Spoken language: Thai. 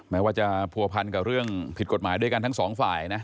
แม้ว่าจะผัวพันกับเรื่องผิดกฎหมายด้วยกันทั้งสองฝ่ายนะ